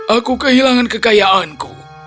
aku kehilangan kekayaanku